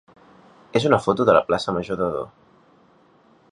és una foto de la plaça major d'Ador.